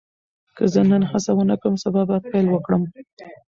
که زه نن هڅه ونه کړم، سبا به پیل وکړم.